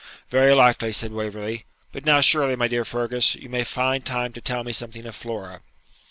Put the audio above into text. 'Very likely,' said Waverley; 'but now surely, my dear Fergus, you may find time to tell me something of Flora.'